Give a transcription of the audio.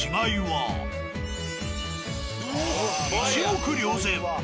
一目瞭然。